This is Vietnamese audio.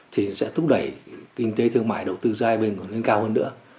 thì sẽ thúc đẩy kinh tế thương mại đầu tư giữa hai bên còn lên cao hơn nữa